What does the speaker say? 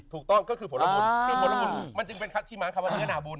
ถูกต้องก็คือผลบุญมันจึงเป็นขัดที่ม้างความเรียนหน้าบุญ